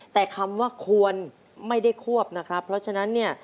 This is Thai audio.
แต่คำว่าควรไม่ได้ควบนะครับเพราะฉะนั้นเนี่ย